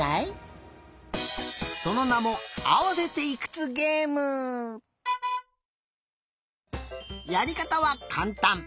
そのなもやりかたはかんたん。